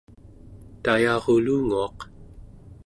tayarulunguaq